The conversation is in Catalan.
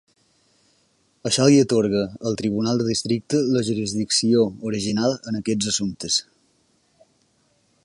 Això li atorga al Tribunal de Districte la jurisdicció original en aquests assumptes.